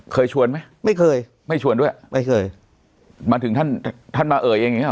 เคยชวนไหมไม่เคยไม่ชวนด้วยไม่เคยมาถึงท่านท่านมาเอ่ยเองอย่างงี